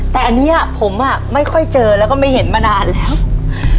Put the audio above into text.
แต่อันนี้ผมอ่ะไม่ค่อยเจอแล้วก็ไม่เห็นมานานแล้ว